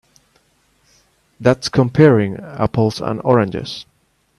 That's comparing apples and oranges.